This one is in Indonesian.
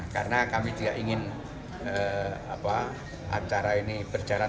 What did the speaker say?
karena kami tidak ingin acara ini berjalan